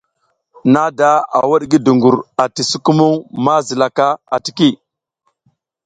Nada a wuɗ ngi dugur ati sukumuŋ ma zila ka atiki.